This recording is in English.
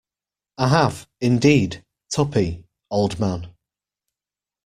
I have, indeed, Tuppy, old man.